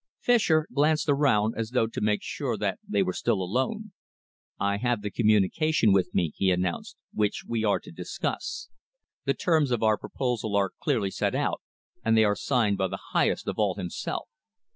Fischer glanced around as though to make sure that they were still alone. "I have the communication with me," he announced, "which we are to discuss. The terms of our proposal are clearly set out, and they are signed by the Highest of all himself.